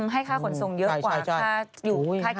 ให้ค่าขนส่งเยอะกว่าค่าอยู่ค่าย